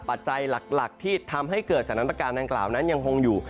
ปัจจัยหลักที่ทำให้เกิดสถานการณ์ดังกล่าวนั้นยังคงอยู่